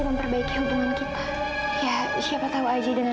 mungkin bisa kembali lagi seperti dulu jadi yang sebaiknya sekarang kita harus pergi kakak